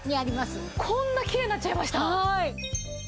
こんなきれいになっちゃいました！